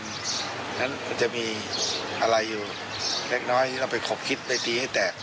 ฉะนั้นจะมีอะไรอยู่เล็กน้อยเราไปขบคิดไปตีให้แตก